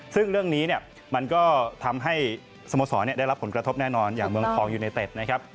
ซึ่งเรื่องนี้เนี่ยมันก็ทำให้สโมสรได้รับผลกระทบแน่นอนอย่างเมืองทองยูเนเต็ดนะครับ